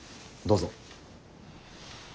どうぞ。